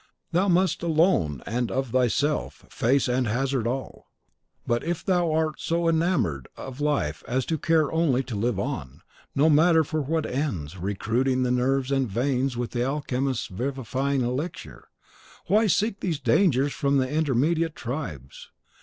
Thou must alone, and of thyself, face and hazard all. But if thou art so enamoured of life as to care only to live on, no matter for what ends, recruiting the nerves and veins with the alchemist's vivifying elixir, why seek these dangers from the intermediate tribes?